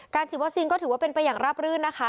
ฉีดวัคซีนก็ถือว่าเป็นไปอย่างราบรื่นนะคะ